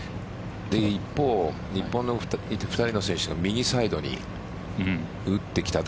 一方、日本の２人の選手は右サイドに打ってきた。